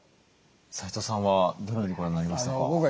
齋藤さんはどのようにご覧になりましたか？